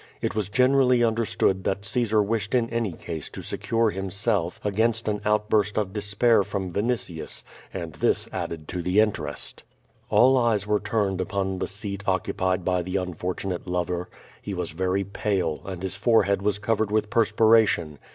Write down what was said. It was generally under stood that CaeW wished in any case to secure himself against an outburst of a6jy)air from Vinitius, and this added to the interest. All eyes were tufned upon the seat occupied by the unfor tunate lover. He was very pale, and his forehead was covered with perspiration.